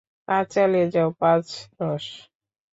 কাজ চালিয়ে যাও, পাঁচ, দশ।